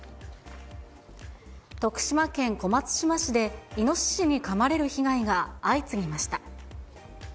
徳島県小松島市で、イノシシにかまれる被害が相次ぎました。